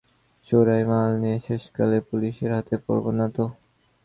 চোরাই মাল নিয়ে শেষকালে পুলিসের হাতে পড়ব না তো?